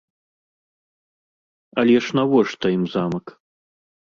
Але ж навошта ім замак?